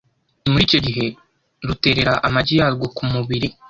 muri icyo gihe ruterera amagi yarwo ku mubiri